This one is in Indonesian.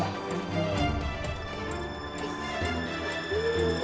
tante dewi lagi sakit